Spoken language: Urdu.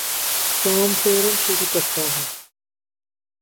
کام فورا شروع کرتا ہوں